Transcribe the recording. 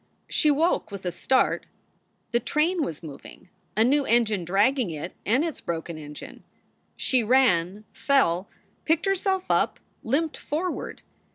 She woke with a start. The train was moving, a new engine dragging it and its broken engine. She ran, fell, picked herself up, limped forward.